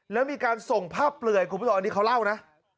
แล้วมีการส่งภาพเปลือยคุณผู้ชมอันนี้เขาเล่านะ